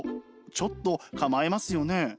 ちょっと構えますよね。